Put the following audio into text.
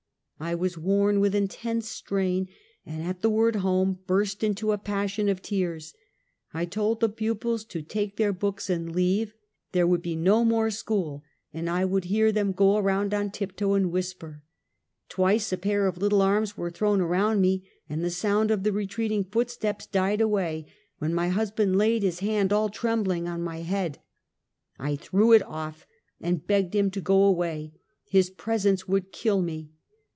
I was worn with intense strain, and at the word home, burst into a passion of tears. I told the pupils to take their books, and leave, there would be no more school, and I could hear them go around on tip toe and whisper. Twice a pair of little arms were thrown around me, and the sound of the re treating footsteps died away when my husband laid his hand all trembling on my head. I threw it off and begged him to go away, his presence would kill me.